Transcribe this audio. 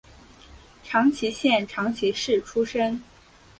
长崎县长崎市出身。